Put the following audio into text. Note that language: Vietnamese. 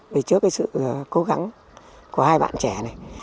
vì trước cái sự cố gắng của hai bạn trẻ này